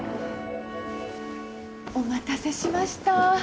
お待たせしました。